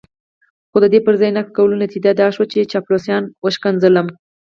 خو د پر ځای نقد کولو نتيجه دا شوه چې چاپلوسانو وشکنځلم.